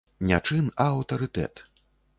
Не чын, а аўтарытэт.